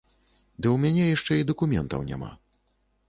Ды ў мяне яшчэ і дакументаў няма.